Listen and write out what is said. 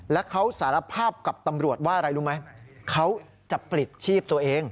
และเขาสารภาพกับตำรวจว่าอะไรรู้ไหม